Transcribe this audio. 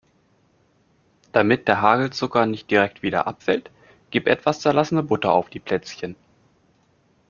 Damit der Hagelzucker nicht direkt wieder abfällt, gib etwas zerlassene Butter auf die Plätzchen.